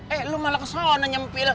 eh lu malah kesana nyempil